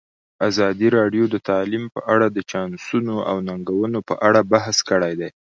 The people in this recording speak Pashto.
ازادي راډیو د تعلیم په اړه د چانسونو او ننګونو په اړه بحث کړی.